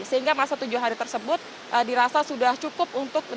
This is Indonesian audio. sehingga masa tujuh hari tersebut dirasa sudah cukup untuk